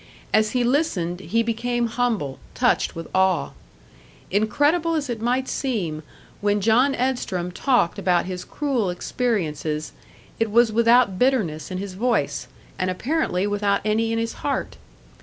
As he listened, he became humble, touched with awe. Incredible as it might seem, when John Edstrom talked about his cruel experiences, it was without bitterness in his voice, and apparently without any in his heart.